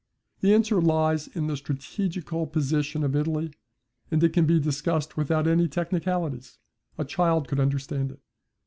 The answer lies in the strategical position of Italy, and it can be discussed without any technicalities. A child could understand it.